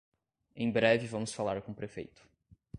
Em breve vamos falar com o prefeito.